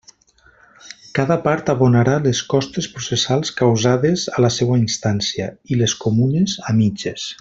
Cada part abonarà les costes processals causades a la seua instància i les comunes a mitges.